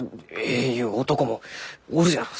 ゆう男もおるじゃろう？